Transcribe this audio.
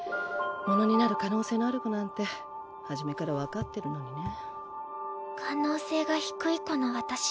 物になる可能性のある子なんて初めから分かってるのにね